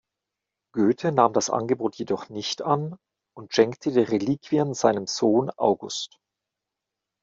Goethe nahm das Angebot jedoch nicht an und schenkte die Reliquien seinem Sohn August.